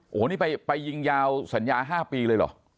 โอ้โหนี่ไปยิงยาวสัญญา๕ปีเลยเหรอ